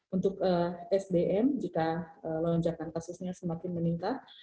untuk sdm jika lonjakan kasusnya semakin meningkat